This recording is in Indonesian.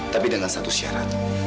tapi dengan satu syarat